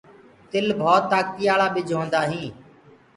تل ڀوت تآڪتيآݪآ ٻج هوندآ هينٚ۔